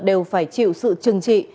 đều phải chịu sự trừng trị